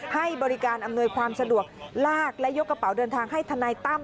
ให้บริการอำนวยความสะดวกลากและยกกระเป๋าเดินทางให้ทนายตั้ม